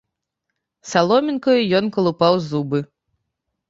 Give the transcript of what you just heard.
Саломінкаю ён калупаў зубы.